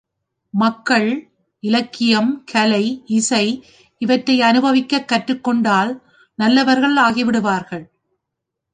மக்கள், இலக்கியம், கலை, இசைஇவற்றை அனுபவிக்கக் கற்றுக் கொண்டால் நல்லவர்கள் ஆகிவிடுவார்கள்.